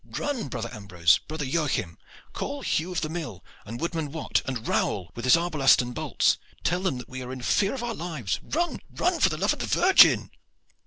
"Run, brother Ambrose, brother Joachim! Call Hugh of the Mill, and Woodman Wat, and Raoul with his arbalest and bolts. Tell them that we are in fear of our lives! Run, run! for the love of the Virgin!"